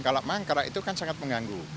kalau mangkrak itu kan sangat mengganggu